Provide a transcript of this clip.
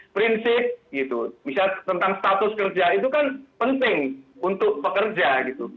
prinsip gitu misalnya tentang status kerja itu kan penting untuk pekerja gitu